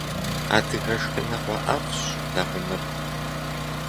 Адыгэ шхыныгъуэ ӏэфӏщ лэкъумыр.